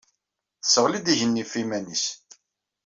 Tesseɣli-d igenni ɣef yiman-is.